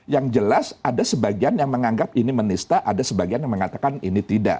yang jelas ada sebagian yang menganggap ini menista ada sebagian yang mengatakan ini tidak